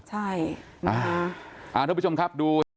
ใช่นะฮะทุกผู้ชมครับดู